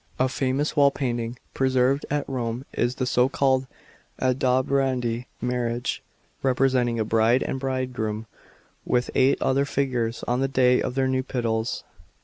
A famous wall painting preserved at Home is the so called Aldobraiidini marriage, representing a bride and bridegroom, with eight other figures, on the day of their nuptials.